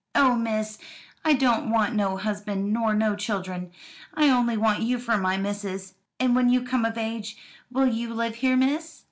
"Oh, miss, I don't want no husband nor no children, I only want you for my missus. And when you come of age, will you live here, miss?"